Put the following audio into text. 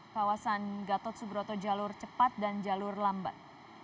kawasan gatot subroto jalur cepat dan jalur lambat